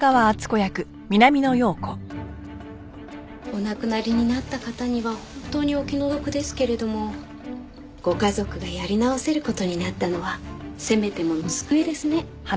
お亡くなりになった方には本当にお気の毒ですけれどもご家族がやり直せる事になったのはせめてもの救いですね。